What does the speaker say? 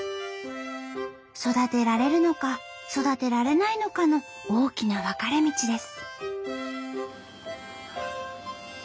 育てられるのか育てられないかの大きな分かれ道です。